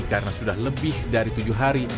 karena sudah lebih dari tujuh hari